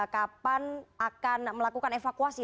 kapan akan melakukan evakuasi